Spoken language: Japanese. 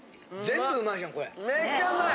めっちゃうまい！